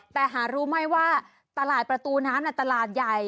แต่หารู้ไหมว่าตลาดประตูน้ำตลาดใหญ่